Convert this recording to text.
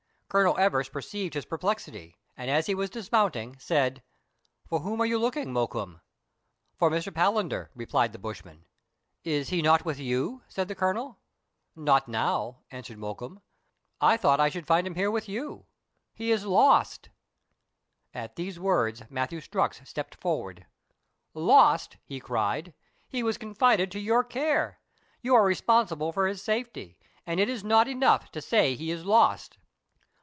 Colonel Everest perceived his perplexity, and as he was dismounting, said,^ " For whom are you looking, Mokoum ?"For Mr. Palander," replied the bushman. "Is he not with you ?" said the Colonel, THREE ENGLISHMEN AND THREE RUSSIANS. 99 " Not now," answered Mokoum. " I thought I should find him with you. He is lost !" At these words, Matthew Strux stepped forward. "Lost!" he cried. "He was confided to your care. You are responsible for his safety, and it is not. enough to say he is lost."